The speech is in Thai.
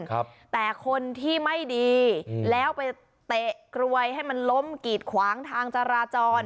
ครับแต่คนที่ไม่ดีแล้วไปเตะกรวยให้มันล้มกีดขวางทางจราจร